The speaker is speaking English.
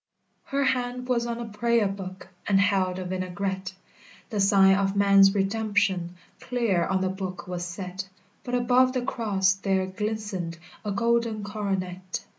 Her hand was on a prayer book, And held a vinaigrette; The sign of man's redemption Clear on the book was set, But above the cross there glistened A golden Coronet.